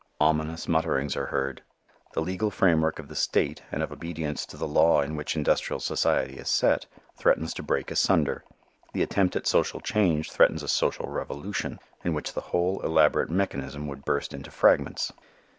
Ominous mutterings are heard. The legal framework of the State and of obedience to the law in which industrial society is set threatens to break asunder. The attempt at social change threatens a social revolution in which the whole elaborate mechanism would burst into fragments.